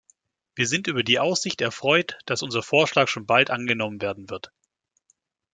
Wir sind über die Aussicht erfreut, dass unser Vorschlag schon bald angenommen werden wird.